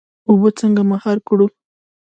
اوبه څنګه مهار کړو؟